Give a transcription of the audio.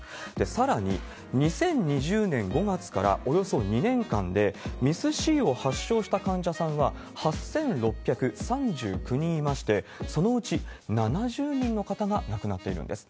さらに２０２０年５月からおよそ２年間で、ＭＩＳ−Ｃを発症した患者さんは８６３９人いまして、そのうち７０人の方が亡くなっているんです。